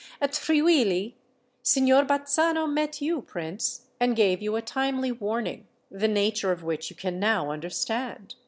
At Friuli Signor Bazzano met you, Prince, and gave you a timely warning, the nature of which you can now understand.